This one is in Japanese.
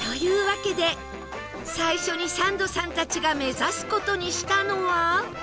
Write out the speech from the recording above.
わけで最初にサンドさんたちが目指す事にしたのは